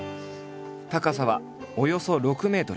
高さはおよそ６ｍ。